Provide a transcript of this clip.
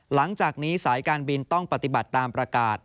หลังจากนี้สายการบินต้องปฏิบัติตามประกาศ